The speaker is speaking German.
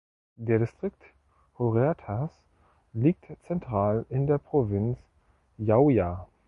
Der Distrikt Huertas liegt zentral in der Provinz Jauja.